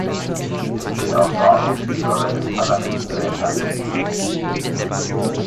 Es geht auch darum, die Rolle des Parlaments zu ändern.